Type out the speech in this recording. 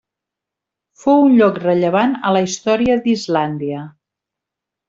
Fou un lloc rellevant a la història d'Islàndia.